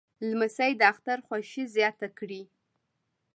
لمسی د اختر خوښي زیاته کړي.